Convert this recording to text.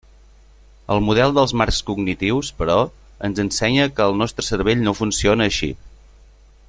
El model dels marcs cognitius, però, ens ensenya que el nostre cervell no funciona així.